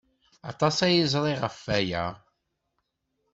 Aṭas ay ẓriɣ ɣef waya.